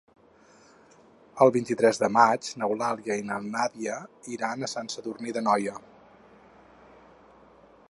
El vint-i-tres de maig n'Eulàlia i na Nàdia iran a Sant Sadurní d'Anoia.